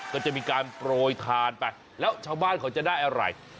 ก็จะมีการโปรยทานไปแล้วชาวบ้านเขาจะได้อะไร